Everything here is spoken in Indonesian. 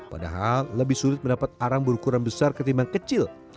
padahal lebih sulit mendapat arang berukuran besar ketimbang kecil